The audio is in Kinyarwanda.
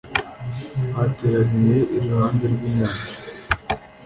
Bateraniye iruhande rw’inyanja